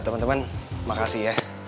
teman teman makasih ya